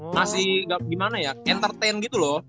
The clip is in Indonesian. ngasih gimana ya entertain gitu loh